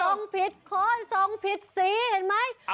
ส่งผิดคนส่งผิดสีเห็นไหม